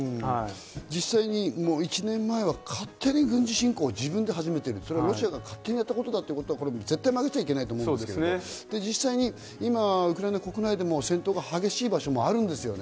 実際１年前は勝手に軍事侵攻を自分で始めている、ロシアが勝手に始まったことは曲げちゃいけないんだけど、実際にウクライナ国内でも戦闘が激しい場所もあるんですよね。